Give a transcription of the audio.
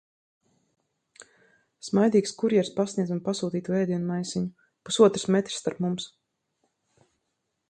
Smaidīgs kurjers pasniedz man pasūtīto ēdienu maisiņu. Pusotrs metrs starp mums.